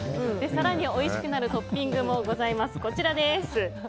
更においしくなるトッピングもございます。